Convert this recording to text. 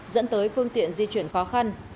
dẫn tới phương tiện di chuyển khó khăn